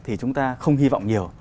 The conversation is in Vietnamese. thì chúng ta không hy vọng nhiều